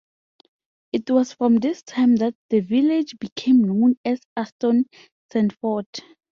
It was from this time that the village became known as Aston Sandford.